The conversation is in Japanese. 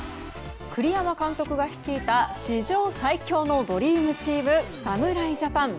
栗山監督が率いた史上最強のドリームチーム侍ジャパン。